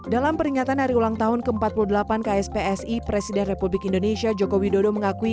dalam peringatan hari ulang tahun ke empat puluh delapan kspsi presiden republik indonesia joko widodo mengakui